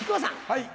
はい。